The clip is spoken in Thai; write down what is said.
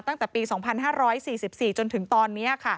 ตั้งแต่ปี๒๕๔๔จนถึงตอนนี้